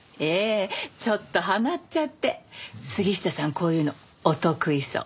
こういうのお得意そう。